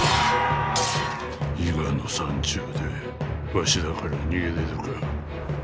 伊賀の山中でわしらから逃げれるか。